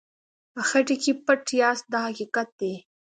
په خټه کې پټ یاست دا حقیقت دی.